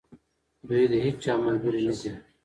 دوی د هیچا ملګري نه دي.